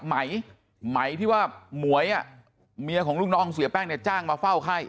ไหมไหมที่ว่าหมวยเมียของลูกน้องเสียแป้งเนี่ยจ้างมาเฝ้าไข้